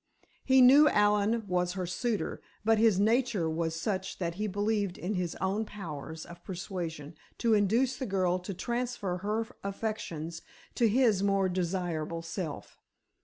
He knew Allen was her suitor, but his nature was such that he believed in his own powers of persuasion to induce the girl to transfer her affections to his more desirable self.